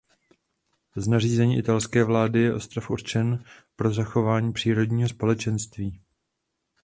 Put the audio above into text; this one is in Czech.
Z nařízení italské vlády je ostrov určen pro zachování přírodního společenství.